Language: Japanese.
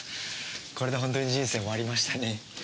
これでほんとに人生終わりましたね。